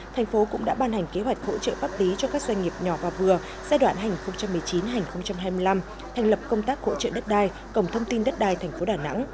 thành phố cũng đã ban hành kế hoạch hỗ trợ pháp tí cho các doanh nghiệp nhỏ và vừa giai đoạn hành một mươi chín hai mươi năm thành lập công tác hỗ trợ đất đai cổng thông tin đất đai thành phố đà nẵng